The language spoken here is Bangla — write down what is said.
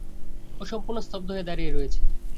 ও সম্পূর্ণ স্তব্ধ হয়ে দাঁড়িয়ে রয়েছে।